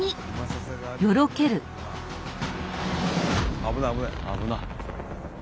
危ない危ない。